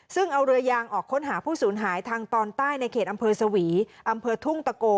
ซึ่งเอาเรือยางออกค้นหาผู้สูญหายทางตอนใต้ในเขตอำเภอสวีอำเภอทุ่งตะโก